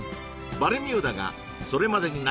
バルミューダがそれまでにない